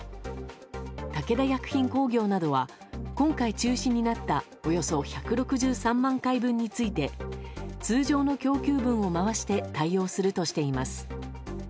武田薬品工業などは今回中止になったおよそ１６３万回分について通常の供給分を回して対応するとしています。